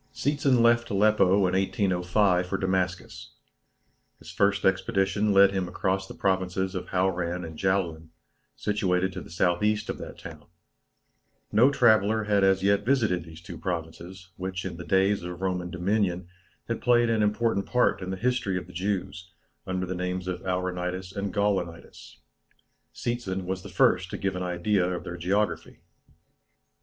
Seetzen left Aleppo in 1805 for Damascus. His first expedition led him across the provinces of Hauran and Jaulan, situated to the S.E. of that town. No traveller had as yet visited these two provinces, which in the days of Roman dominion had played an important part in the history of the Jews, under the names of Auranitis and Gaulonitis. Seetzen was the first to give an idea of their geography.